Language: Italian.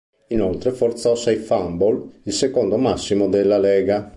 Inoltre forzò sei fumble, il secondo massimo della lega.